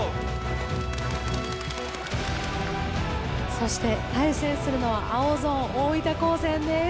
そして対戦するのは青ゾーン大分高専です。